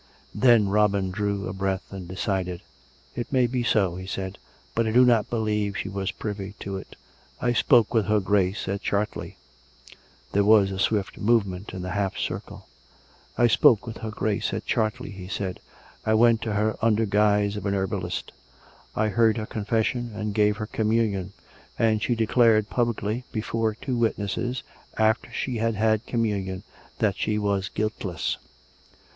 Then Robin drew a breath and decided. " It may be so," he said. " But I do not believe she was privy to it. I spoke with her Grace at Chartley " There was a swift movement in the half circle. 322 COME RACK! COME ROPE! " I spoke with her Grace at Chartley," he said. " I went to her under guise of a herbalist: I heard her confes sion and gave her communion; and she declared publicly, before two witnesses, after she had had communion, that she was guiltless."